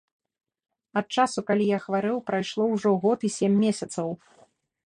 Ад часу, калі я хварэў, прайшло ўжо год і сем месяцаў.